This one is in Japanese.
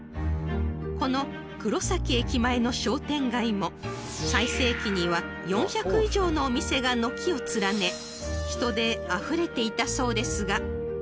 ［この黒崎駅前の商店街も最盛期には４００以上のお店が軒を連ね人であふれていたそうですが］